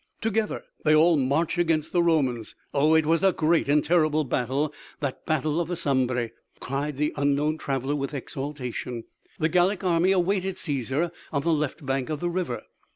Together they all march against the Romans! Oh, it was a great and terrible battle, that battle of the Sambre!" cried the unknown traveler with exaltation. "The Gallic army awaited Cæsar on the left bank of the river.